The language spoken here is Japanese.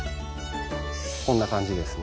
こんな感じですね。